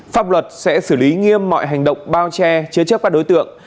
pháp luật sẽ xử lý nghiêm mọi hành động bao che chế chấp các đối tượng